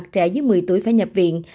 trẻ dưới một mươi tuổi phải nhập viện